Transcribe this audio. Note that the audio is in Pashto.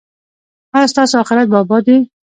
ایا ستاسو اخرت به اباد وي؟